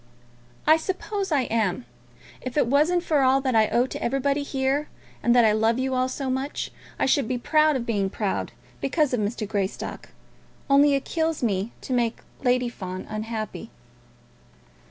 "I suppose I am. If it wasn't for all that I owe to everybody here, and that I love you all so much, I should be proud of being proud; because of Mr. Greystock. Only it kills me to make Lady Fawn unhappy."